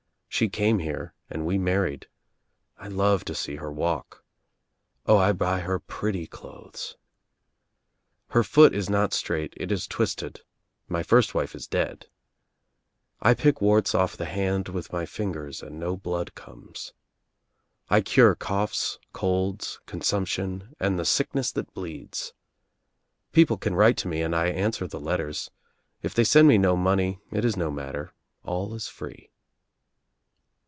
She came here and we married — I love to see her walk — O, I buy her pretty clothes. ■ "Her foot is not straight — it is twisted — my first wife is dead — I pick warts off the hand with my fingers and no blood comes — I cure coughs, colds, consump tion and the sickness that bleeds — people can write to me and I answer the letters — if they send me no money it is no matter — all is free."